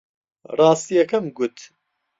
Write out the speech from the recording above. ڕاستییەکەم گوت.